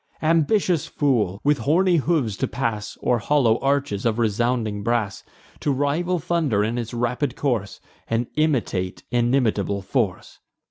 Ambitious fool! with horny hoofs to pass O'er hollow arches of resounding brass, To rival thunder in its rapid course, And imitate inimitable force!